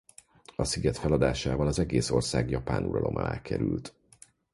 A sziget feladásával az egész ország japán uralom alá került.